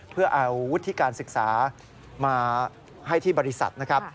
เพื่อเอาวุฒิการศึกษามาให้ที่บริษัทนะครับ